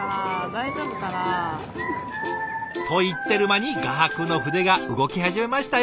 大丈夫かな？と言ってる間に画伯の筆が動き始めましたよ。